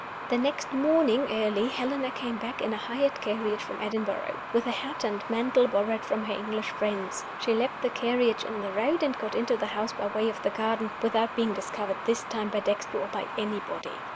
The next morning, early, Helena came back in a hired carriage from Edinburgh, with a hat and mantle borrowed from her English friends. She left the carriage in the road, and got into the house by way of the garden without being discovered, this time, by Dexter or by anybody.